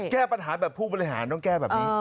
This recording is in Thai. แก้ปัญหาแบบผู้บริหารต้องแก้แบบนี้